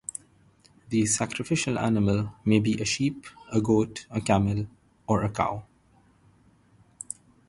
The sacrificial animal may be a sheep, a goat, a camel, or a cow.